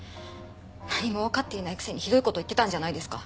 何もわかっていないくせにひどい事を言ってたんじゃないですか？